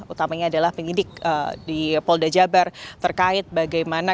utamanya adalah penyidik di polda jabar terkait bagaimana